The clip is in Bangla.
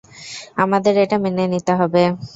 আমাদের এটা মেনে নিতে হবে।